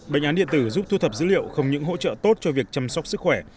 bệnh án điện tử giúp thu thập dữ liệu không những hỗ trợ tốt cho việc chăm sóc sức khỏe